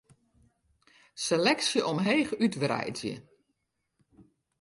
Seleksje omheech útwreidzje.